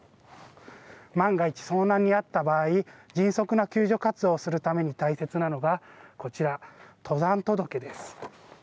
万が一、遭難にあった場合、迅速な救助活動をするために大切なのがこちら、登山届です。